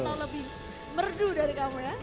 atau lebih merdu dari kamu ya